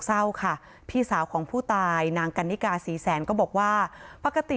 เศร้าค่ะพี่สาวของผู้ตายนางกันนิกาศรีแสนก็บอกว่าปกติ